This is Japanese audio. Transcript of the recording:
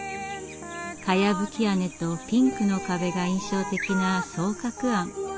かやぶき屋根とピンクの壁が印象的な「双鶴庵」。